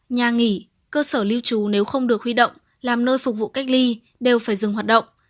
nhà nghỉ cơ sở lưu trú nếu không được huy động làm nơi phục vụ cách ly đều phải dừng hoạt động